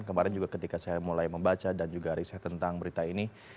kemarin juga ketika saya mulai membaca dan juga riset tentang berita ini